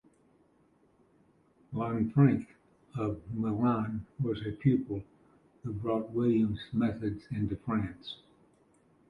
Lanfranc of Milan was a pupil who brought William's methods into France.